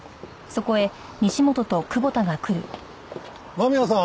間宮さん